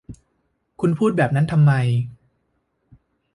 คุณพูดแบบนั้นทำไม